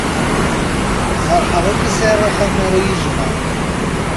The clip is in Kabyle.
Ferḥeɣ imi sεiɣ axxam ara y-ijemεen.